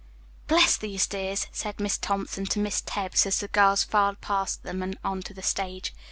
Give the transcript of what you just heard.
"Bless the dears," said Miss Thompson to Miss Tebbs, as the girls filed past them and on to the stage.